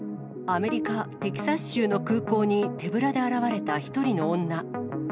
アメリカ・テキサス州の空港に手ぶらで現れた１人の女。